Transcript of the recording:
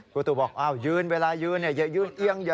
ครูตูบอกยืนเวลายืนอย่ายืนเอียงอย่า